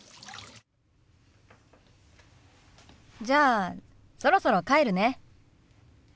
じゃそろそろ帰るね。